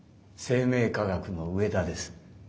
生命科学の上田です。